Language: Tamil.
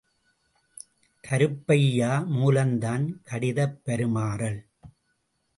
கருப்பையா மூலம்தான் கடிதப் பரிமாறல்!